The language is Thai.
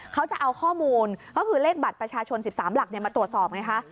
เขาจะเอาข้อมูลก็คือเลขบัตรประชาชน๑๓หลักมาตรวจสอบไงคะ